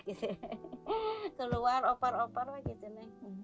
keluar oper oper lah gitu nih